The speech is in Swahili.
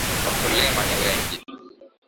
Wakulima ni wengi.